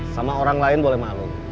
sama orang lain boleh malu